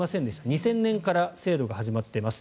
２０００年から制度が始まっています。